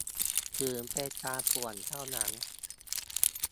ถือเป็นการป่วนเท่านั้น